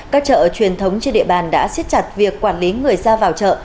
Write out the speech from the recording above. các chợ truyền thống trên địa bàn đã xiết chặt việc quản lý người ra vào chợ